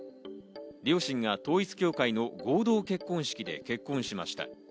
両親が統一教会の合同結婚式で結婚しました。